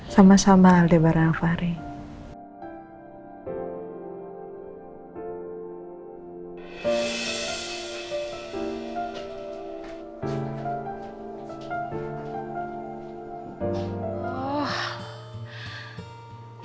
sama sama aldebaran afari